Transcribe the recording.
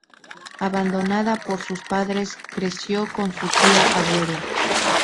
Abandonada por sus padres creció con su tía abuela.